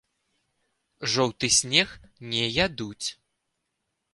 Жоўты снег не ядуць.